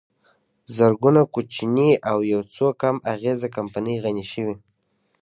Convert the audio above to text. زرګونه کوچنۍ او یوڅو کم اغېزه کمپنۍ غني شوې